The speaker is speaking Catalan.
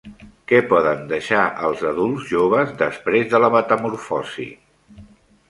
Què poden deixar els adults joves després de la metamorfosi?